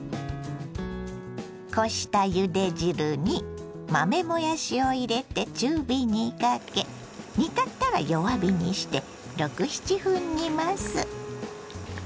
こしたゆで汁に豆もやしを入れて中火にかけ煮立ったら弱火にして６７分煮ます。